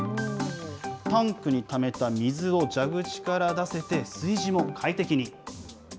タンクにためた水を蛇口から出せて、炊事も快適に。